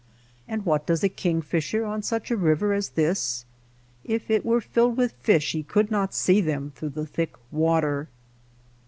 And what does a king fisher on such a river as this ? If it were filled with fish he could not see them through that thick water.